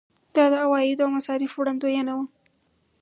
دا د عوایدو او مصارفو وړاندوینه وه.